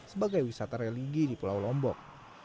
sebagai wisata religi di pulau lombok